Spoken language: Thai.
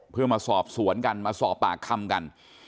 เพื่อมาสอบสวนกันมาสอบปากคำกัน